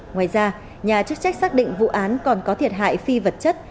ngoài ra nhà chức trách xác định vụ án còn có thiệt hại phi vật chất